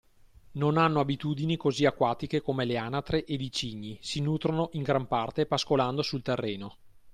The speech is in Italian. Non hanno abitudini così acquatiche come le anatre ed i cigni, si nutrono in gran parte pascolando sul terreno.